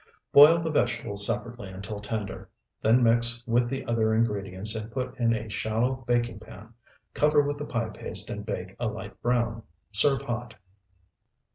Boil the vegetables separately until tender; then mix with the other ingredients and put in a shallow baking pan. Cover with the pie paste and bake a light brown. Serve hot.